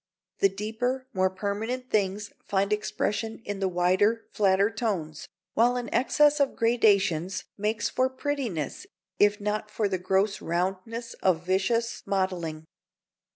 The deeper, more permanent things find expression in the wider, flatter tones, while an excess of gradations makes for prettiness, if not for the gross roundnesses of vicious modelling.